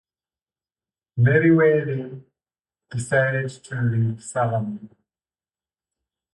Meriwether decided to leave Salomon.